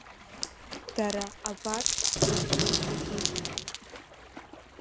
Дара абарҭ рырҵаҩцәагьы…